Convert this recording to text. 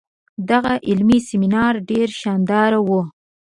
دغه علمي سیمینار ډیر شانداره وو.